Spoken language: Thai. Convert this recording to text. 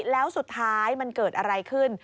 แล้วสุดท้ายมันเกิดอะไรขึ้น